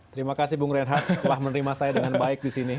terima kasih bu ngerian har telah menerima saya dengan baik di sini